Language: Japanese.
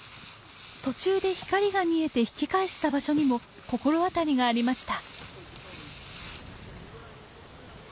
途中で光が見えて引き返した場所にも心当たりがありました。